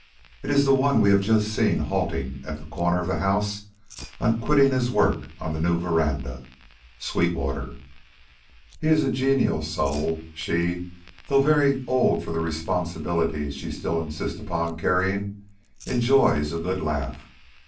It is the one we have just seen halting at the corner of the house, on quitting his work on the new veranda Sweetwater. He is a genial soul; she, though very old for the responsibilities she still insists upon carrying, enjoys a good laugh.